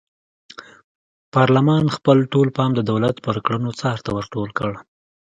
پارلمان خپل ټول پام د دولت پر کړنو څار ته ور ټول کړ.